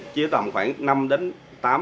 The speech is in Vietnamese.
chỉ tầm khoảng năm đến một mươi năm